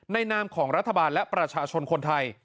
นามของรัฐบาลและประชาชนคนไทย